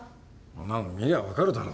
そんなの見りゃわかるだろ。